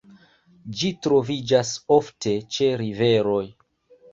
Ĝi troviĝas ofte ĉe riveroj.